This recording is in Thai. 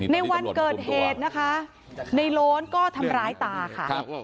ในวันเกิดเหตุนะคะในโล้นก็ทำร้ายตาค่ะ